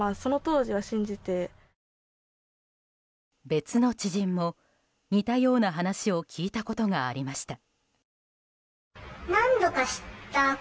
別の知人も似たような話を聞いたことがありました。